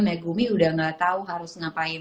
megumi udah gak tau harus ngapain